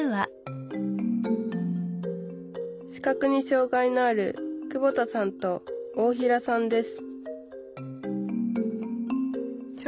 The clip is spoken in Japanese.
視覚に障害のある久保田さんと大平さんです